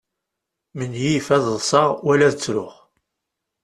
Menyif ad ḍseɣ wala ad ttruɣ.